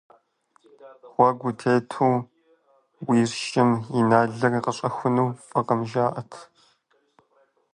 Гъуэгу утету уи шым и налыр къыщӀэхуну фӀыкъым, жаӀэрт.